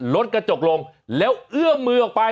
รถกระจกลงแล้วเอื้อมมือออกไป